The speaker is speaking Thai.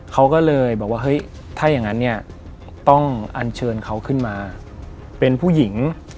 เขาก็เลยบอกว่าเฮ้ยถ้าอย่างนั้นเนี่ยต้องอันเชิญเขาขึ้นมาเป็นผู้หญิง